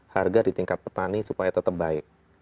harga di tingkat petani supaya tetap baik